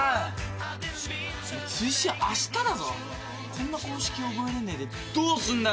こんな公式覚えられないでどうすんだよ？